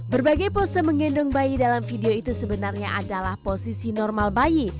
berbagai pose menggendong bayi dalam video itu sebenarnya adalah posisi normal bayi